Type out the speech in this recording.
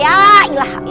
ya allah ibu